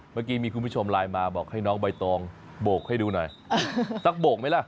เมื่อกี้มีคุณผู้ชมไลน์มาบอกให้น้องใบตองโบกให้ดูหน่อยสักโบกไหมล่ะ